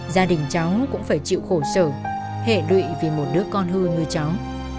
gia đình cháu cũng phải chịu khổ sở hệ lụy vì một đứa con hư cháu